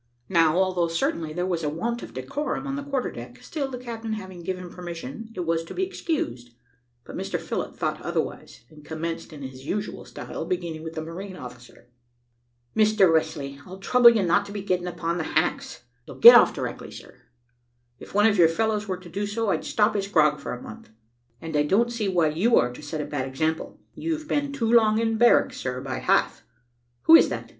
Now, although certainly there was a want of decorum on the quarter deck, still the captain having given permission, it was to be excused, but Mr Phillott thought otherwise, and commenced in his usual style, beginning with the marine officer. "Mr Westley, I'll trouble you not to be getting upon the hammocks. You'll get off directly, sir. If one of your fellows were to do so, I'd stop his grog for a month, and I don't see why you are to set a bad example; you've been too long in barracks, sir, by half. Who is that?